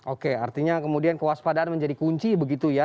oke artinya kemudian kewaspadaan menjadi kunci begitu ya